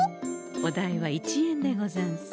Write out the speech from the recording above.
お代は１円でござんす。